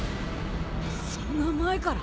そんな前から！？